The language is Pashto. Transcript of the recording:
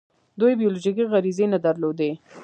دوی بیولوژیکي غریزې نه درلودې.